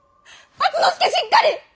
敦之助しっかり！